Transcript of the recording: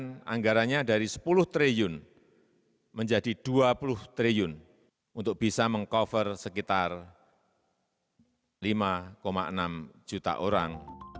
anggarannya dari sepuluh triliun menjadi dua puluh triliun untuk bisa meng cover sekitar lima enam juta orang